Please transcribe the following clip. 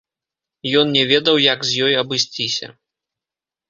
Ён не ведаў, як з ёй абысціся.